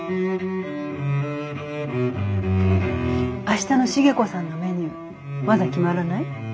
明日の重子さんのメニューまだ決まらない？